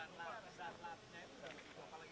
terima kasih pak